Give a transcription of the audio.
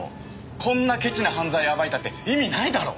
こんなケチな犯罪暴いたって意味ないだろ。